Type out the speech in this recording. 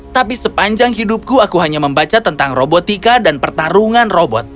tapi sepanjang hidupku aku hanya membaca tentang robotika dan pertarungan robot